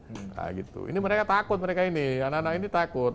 nah gitu ini mereka takut mereka ini anak anak ini takut